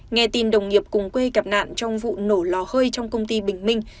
nghe tin đồng nghiệp cùng quê gặp nạn trong vụ nổ lò hơi trong công ty bình minh